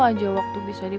tapi ada yang bisa ingat